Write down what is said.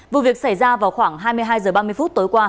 vụ việc xảy ra vào khoảng hai mươi hai h ba mươi phút tối qua